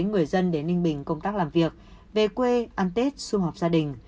người dân đến ninh bình công tác làm việc về quê ăn tết xu hợp gia đình